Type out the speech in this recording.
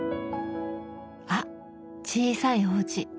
あっ「小さいおうち」。